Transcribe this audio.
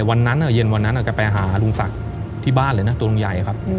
วันนั้นเย็นวันนั้นแกไปหาลุงศักดิ์ที่บ้านเลยนะตัวลุงใหญ่ครับ